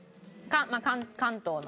関東の。